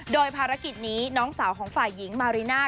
โดยภารกิจนี้น้องสาวของฝ่ายหญิงมาริน่า